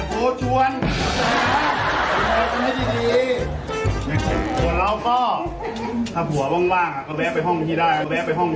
อย่าโพสต์ชวนไม่ใช่สิ่งที่ดีส่วนเราก็ถ้าผัวว่างก็แบ๊ไปห้องบัญชีได้รู้หรือไม่รู้